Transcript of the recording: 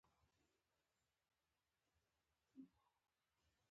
احساسات ګټور دي.